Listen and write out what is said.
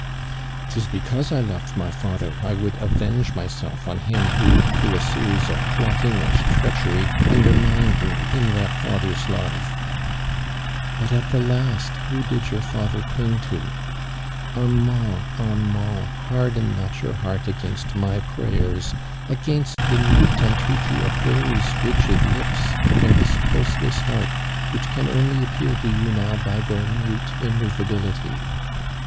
" 'Tis because I lovod my father, I would avenge myself on him who, through a series of plotting and treachery, untlermined me in that fathers love."' " But at the last wliotUd your lather cling to? Armand, Armand, hanlen not your heart against my prayers, against the muto entreaty of those rigid lips and this jiulae less heart which can only appeal to you now by their mute immovability.